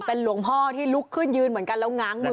เป็นหลวงพ่อที่ลุกขึ้นยืนเหมือนกันแล้วง้างมือ